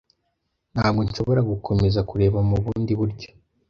Ntabwo nshobora gukomeza kureba mu bundi buryo.